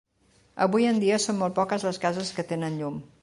Avui en dia són molt poques les cases que tenen llum.